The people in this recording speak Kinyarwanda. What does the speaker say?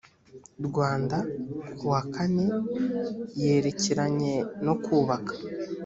rwanda kuwa kane yerekeranye no kubaka